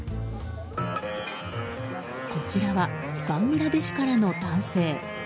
こちらはバングラデシュからの男性。